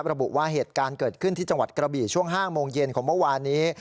ระบุว่าเหตุการณ์เกิดขึ้นที่จังหวัดกระบี่ช่วง๕โมงเย็นของเมื่อวานนี้